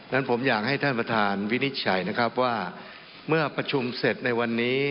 นั้นผมอยากให้ท่านประธานวินิจฉัยนะครับว่าเมื่อประชุมเสร็จในวันนี้